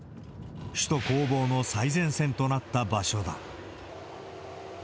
首都攻防の最前線となった場所だ。